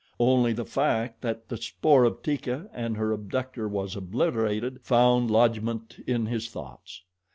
Only the fact that the spoor of Teeka and her abductor was obliterated found lodgment in his thoughts.